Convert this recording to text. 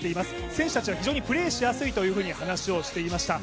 選手たちは非常にプレーしやすいと話していました。